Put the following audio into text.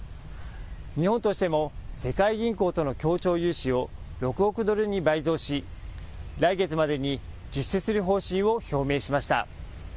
日本としても世界銀行との協調融資を６億ドルに倍増し、来月までに実施する方針を表明しました。